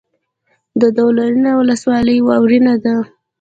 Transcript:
د دولینه ولسوالۍ واورین ده